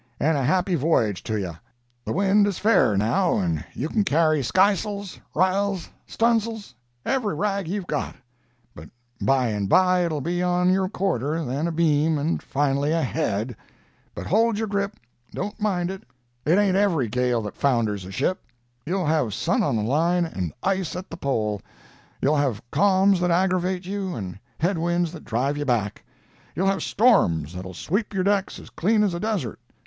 and a happy voyage to ye! The wind is fair, now, and you can carry skys'ls, r'yals, stuns'ls—every rag you've got; but by and by it'll be on your quarter, then abeam, and finally ahead. But hold your grip—don't mind it—it ain't every gale that founders a ship. You'll have sun on the line, and ice at the pole; you'll have calms that aggravate you, and head winds that drive you back; you'll have storms that'll sweep your decks as clean as a desert.